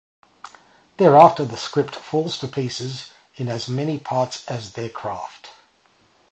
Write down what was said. Thereafter the script falls to pieces in as many parts as their craft.